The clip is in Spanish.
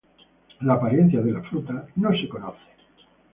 La apariencia de la fruta no se conoce.